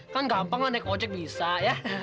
kan gampang kan naik ojek bisa ya